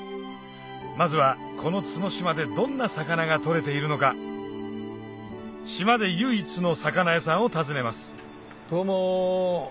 まずはこの角島でどんな魚が取れているのか島で唯一の魚屋さんを訪ねますどうも。